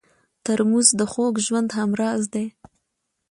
ترموز د خوږ ژوند همراز دی.